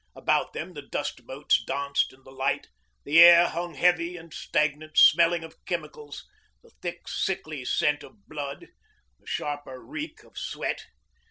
About them the dust motes danced in the light, the air hung heavy and stagnant, smelling of chemicals, the thick sickly scent of blood, the sharper reek of sweat.